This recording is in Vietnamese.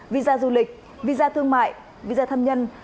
visa du lịch visa thương mại visa thâm nhân